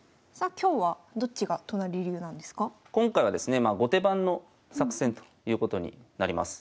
今回はですねまあ後手番の作戦ということになります。